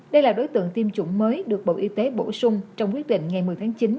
đây là đối tượng tiêm chủng mới được bộ y tế bổ sung trong quyết định ngày một mươi tháng chín